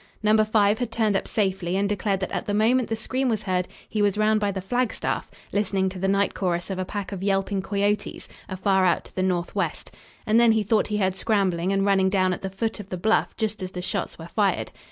Number 5 had turned up safely, and declared that at the moment the scream was heard he was round by the flagstaff, listening to the night chorus of a pack of yelping coyotes, afar out to the northwest, and then he thought he heard scrambling and running down at the foot of the bluff just as the shots were fired.